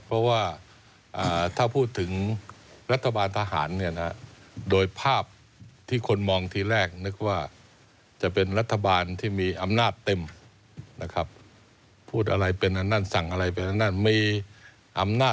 เพราะว่าถ้าพูดถึงรัฐบาลทหารเนี่ยนะ